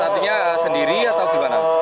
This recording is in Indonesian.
nantinya sendiri atau gimana